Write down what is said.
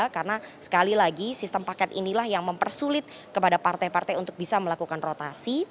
karena sekali lagi sistem paket inilah yang mempersulit kepada partai partai untuk bisa melakukan rotasi